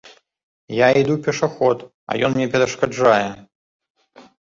Я іду пешаход, а ён мне перашкаджае.